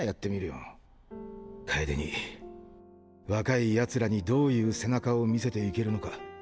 楓に若い奴らにどういう背中を見せていけるのか。